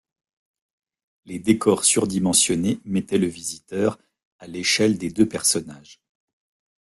Les décors surdimensionnés mettaient le visiteur à l'échelle des deux personnages.